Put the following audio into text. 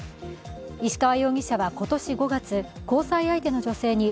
石川容疑者は今年５月、交際相手の女性に